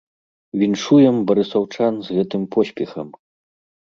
Віншуем барысаўчан з гэтым поспехам!